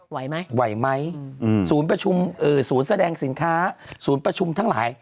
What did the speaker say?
ไหวไหมอืมสูญประชุมสูญแสดงสินค้าสูญประชุมทั้งหลาย